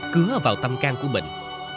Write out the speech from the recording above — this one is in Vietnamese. cứa vào tâm can của bình